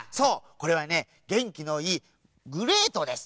これはねげんきのいいグレートです。